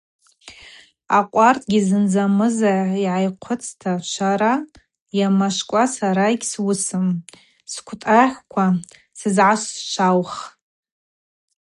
Акъвартгьи зынзамыза йгӏахъыцӏитӏта – Швара йамашвкӏуа сара йгьсуысым, сквтӏагъьква сызгӏашваух.